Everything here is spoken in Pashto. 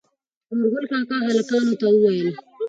نورګل کاکا هلکانو ته وويل